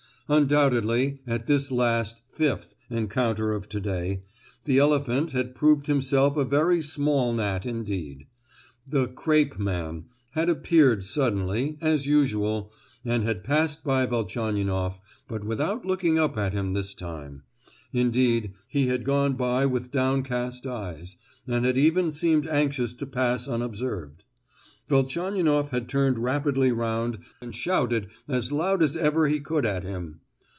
Undoubtedly, at this last (fifth) encounter of to day, the elephant had proved himself a very small gnat indeed. The "crape man" had appeared suddenly, as usual, and had passed by Velchaninoff, but without looking up at him this time; indeed, he had gone by with downcast eyes, and had even seemed anxious to pass unobserved. Velchaninoff had turned rapidly round and shouted as loud as ever he could at him.